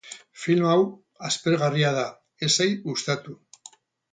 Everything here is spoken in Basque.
Film hau aspergarria da, ez zait gustatu.